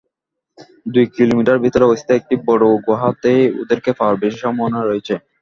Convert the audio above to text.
দুই কিলোমিটার ভেতরে অবস্থিত একটা বড়ো গুহাতেই ওদেরকে পাওয়ার বেশি সম্ভাবনা রয়েছে।